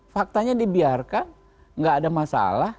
faktanya dibiarkan nggak ada masalah